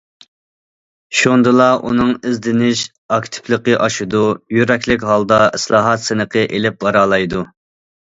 شۇندىلا ئۇنىڭ ئىزدىنىش ئاكتىپلىقى ئاشىدۇ، يۈرەكلىك ھالدا ئىسلاھات سىنىقى ئېلىپ بارالايدۇ.